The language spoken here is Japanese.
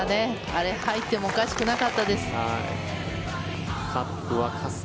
あれ、入ってもおかしくなかったです。